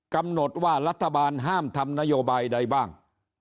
กำหนดว่ารัฐบาลห้ามทำนโยบายใดบ้าง